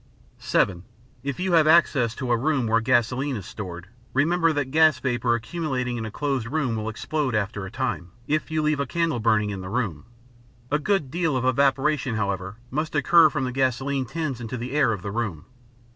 (7) If you have access to a room where gasoline is stored, remember that gas vapor accumulating in a closed room will explode after a time if you leave a candle burning in the room. A good deal of evaporation, however, must occur from the gasoline tins into the air of the room.